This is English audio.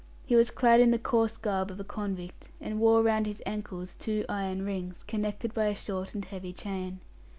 He was clad in the coarse garb of a convict, and wore round his ankles two iron rings, connected by a short and heavy chain.